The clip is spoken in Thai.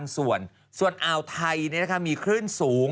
ส่วนอาวไทยมีคลื่นสูง